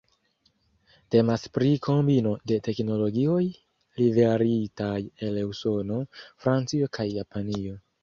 Temas pri kombino de teknologioj liveritaj el Usono, Francio kaj Japanio.